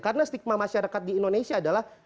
karena stigma masyarakat di indonesia adalah